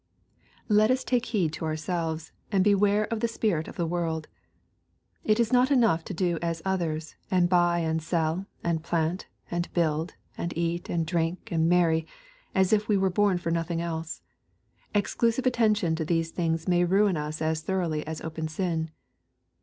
Let us take heed to ourselves, ^nd beware of the spirit of the world. It is not enough to do as others, and buy, and sell, and plant, and build, and eat, and drink, and marry, as if we were born for nothing else. Exclusive attention to these things may ruin us as thoroughly as open sin.